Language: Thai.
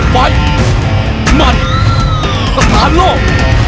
ฟันมันสถานโลก